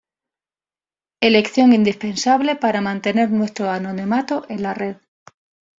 elección indispensable para mantener nuestro anonimato en la red